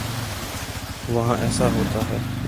وہاں ایسا ہوتا ہے۔